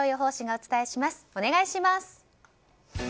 お願いします。